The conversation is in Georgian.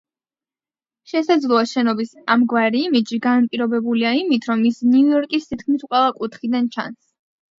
შესაძლოა შენობის ამგვარი იმიჯი განპირობებულია იმით, რომ ის ნიუ-იორკის თითქმის ყველა კუთხიდან ჩანს.